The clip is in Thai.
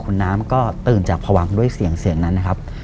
คุณน้ำก็ตื่นจากพวังด้วยเสียงเสียงนั้นนะครับ